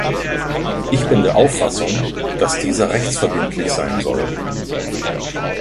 Ich bin der Auffassung, dass dieser rechtsverbindlich sein soll.